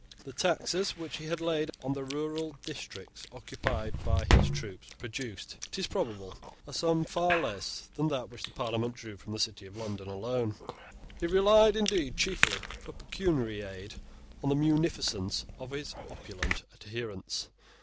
The taxes which he laid on the rural districts occupied by his troops produced, it is probable, a sum far less than that which the Parliament drew from the city of London alone. He relied, indeed, chiefly, for pecuniary aid, on the munificence of his opulent adherents.